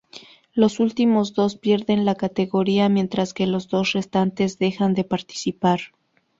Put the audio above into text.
Los últimos dos pierden la categoría, mientras que los dos restantes dejan de participar.